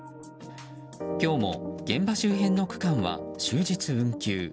今日も現場周辺の区間は終日運休。